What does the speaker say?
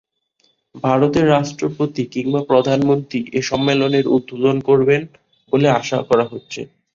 ভারতের রাষ্ট্রপতি কিংবা প্রধানমন্ত্রী এ সম্মেলনের উদ্বোধন করবেন বলে আশা করা হচ্ছে।